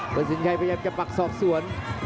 เป็นสินใครพยายามจะปักสอบส่วน